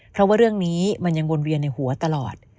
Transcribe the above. เพราะว่าเรื่องนี้มันยังวนเวียนในหัวตลอด